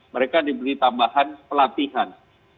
mereka dibeli tambahan pelatihan